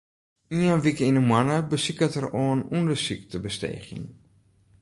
Ien wike yn 'e moanne besiket er oan ûndersyk te besteegjen.